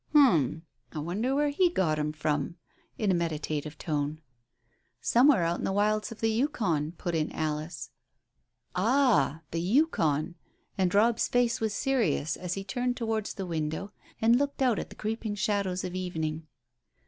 "Um! I wonder where he got him from," in a meditative tone. "Somewhere out in the wilds of the Yukon," put in Alice. "Ah! The Yukon." And Robb's face was serious as he turned towards the window and looked out at the creeping shadows of evening.